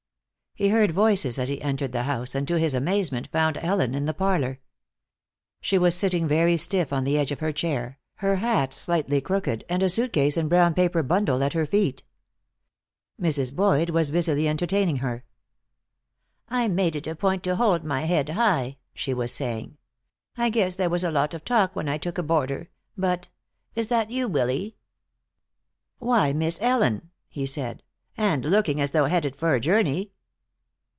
He heard voices as he entered the house, and to his amazement found Ellen in the parlor. She was sitting very stiff on the edge of her chair, her hat slightly crooked and a suit case and brown paper bundle at her feet. Mrs. Boyd was busily entertaining her. "I make it a point to hold my head high," she was saying. "I guess there was a lot of talk when I took a boarder, but Is that you, Willy?" "Why, Miss Ellen!" he said. "And looking as though headed for a journey!"